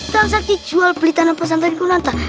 dan saat dijual beli tanah pesantren kunanta